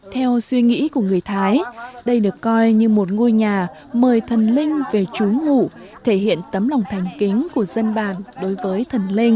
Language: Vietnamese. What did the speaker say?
theo suy nghĩ của người thái đây được coi như một ngôi nhà mời thần linh về trú ngủ thể hiện tấm lòng thành kính của dân bản đối với thần linh